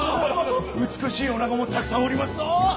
美しいおなごもたくさんおりますぞ！